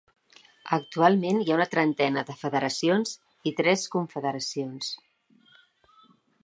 Actualment hi ha una trentena de federacions i tres confederacions.